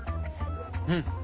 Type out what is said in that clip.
うん。